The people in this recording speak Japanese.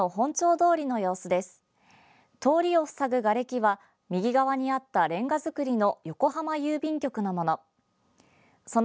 通りを塞ぐがれきは右側にあったレンガ造りの横浜郵便局のもの。